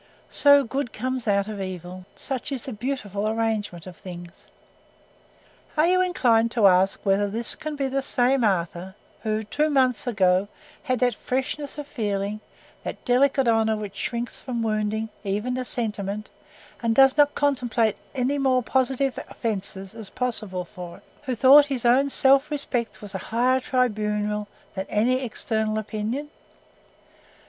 So good comes out of evil. Such is the beautiful arrangement of things! Are you inclined to ask whether this can be the same Arthur who, two months ago, had that freshness of feeling, that delicate honour which shrinks from wounding even a sentiment, and does not contemplate any more positive offence as possible for it?—who thought that his own self respect was a higher tribunal than any external opinion?